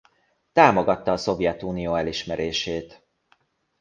Támogatta a Szovjetunió elismerését.